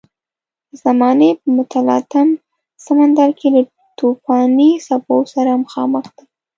د زمانې په متلاطم سمندر کې له توپاني څپو سره مخامخ ده.